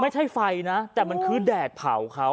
ไม่ใช่ไฟนะแต่มันคือแดดเผาเขา